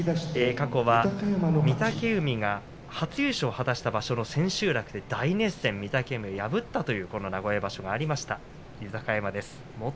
過去は御嶽海が初優勝を果たした場所の千秋楽で、大熱戦に御嶽海を破ったという名古屋場所があります豊山です。